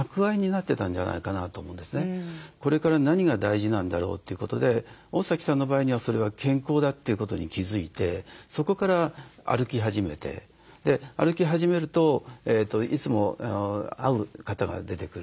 これから何が大事なんだろうということで大崎さんの場合にはそれは健康だということに気付いてそこから歩き始めて歩き始めるといつも会う方が出てくる。